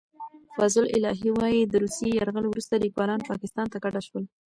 فضل الهي وايي، د روسي یرغل وروسته لیکوالان پاکستان ته کډه شول.